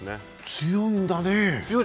強いんだね。